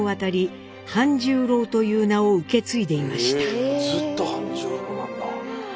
へえずっと半十郎なんだ。